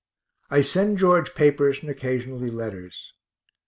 I send George papers and occasionally letters.